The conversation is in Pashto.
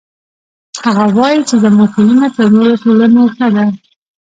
هغه وایي چې زموږ ټولنه تر نورو ټولنو ښه ده